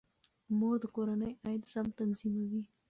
مور د کورنۍ عاید سم تنظیموي.